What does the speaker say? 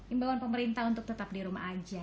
imbauan pemerintah untuk tetap di rumah aja